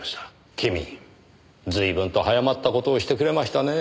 君随分と早まった事をしてくれましたね。